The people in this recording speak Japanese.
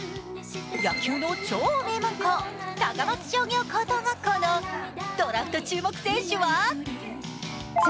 野球の超名門校、高松商業高等学校のドラフト注目選手は？